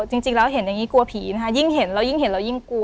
จริงแล้วเห็นอย่างนี้กลัวผีนะคะยิ่งเห็นเรายิ่งเห็นเรายิ่งกลัว